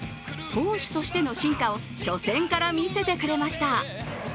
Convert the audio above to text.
投手としての進化を初戦から見せてくれました。